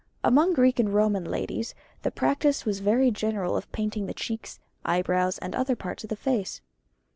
Among Greek and Roman ladies the practice was very general of painting the cheeks, eyebrows, and other parts of the face.